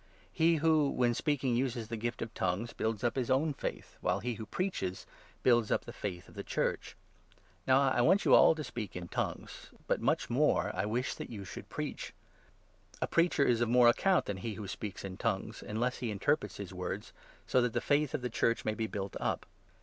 He who, when speaking, uses the gift of 4 ' tongues ' builds up his own faith, while he who preaches builds up the faith of the Church. Now I want you all to speak 5 in ' tongues,' but much more I wish that you should preach. A Preacher is of more account than he who speaks in 'tongues,' unless he interprets his words, so that the faith of the Church may be built up.